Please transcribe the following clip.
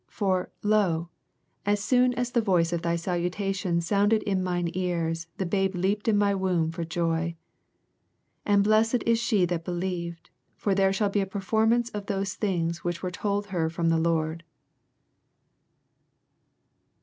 44 For, lo, as soon as the voice of thy salutation sounded in mine ears, the babe leaped in mv womb for joy. 45 And blessed is she that believed : for there shall be a performance of those things which were told her from the Lord.